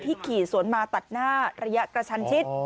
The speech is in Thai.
ขี่สวนมาตัดหน้าระยะกระชันชิด